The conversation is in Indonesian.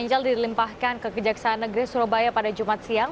angel dilimpahkan ke kejaksaan negeri surabaya pada jumat siang